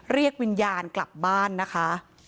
เรียกวิญญาณกลับบ้านนะคะ